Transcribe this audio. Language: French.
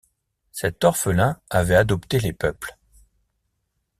Cet orphelin avait adopté les peuples.